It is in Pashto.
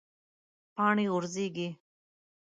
پاڼې غورځیږي